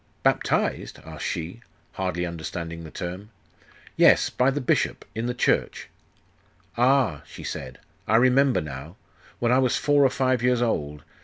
'Baptized?' asked she, hardly understanding the term. 'Yes by the bishop in the church.' 'Ah,' she said, 'I remember now.... When I was four or five years odd....